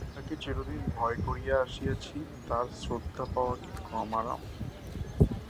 যার ঠাট্টাকে চিরদিন ভয় করিয়া আসিয়াছি, তার শ্রদ্ধা পাওয়া কি কম আরাম!